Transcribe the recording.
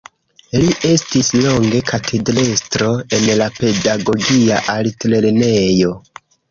Li estis longe katedrestro en la Pedagogia Altlernejo.